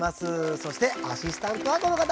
そしてアシスタントはこの方。